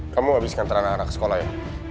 kamu habis nganter anak anak sekolah ya